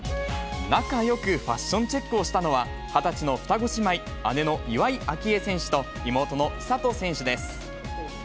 仲よくファッションチェックをしたのは、２０歳の双子姉妹、姉の岩井明愛選手と妹の千怜選手です。